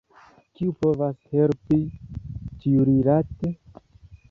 Kiu povas helpi tiurilate?